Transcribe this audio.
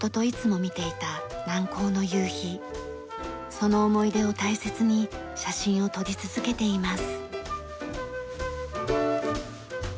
その思い出を大切に写真を撮り続けています。